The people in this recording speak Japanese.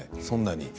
そんなに。